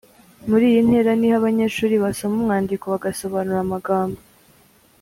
Muri iyi ntera ni ho abanyeshuri basoma umwandiko, bagasobanura amagambo